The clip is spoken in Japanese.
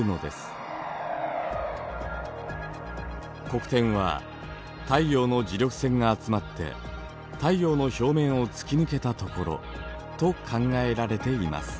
黒点は太陽の磁力線が集まって太陽の表面を突き抜けたところと考えられています。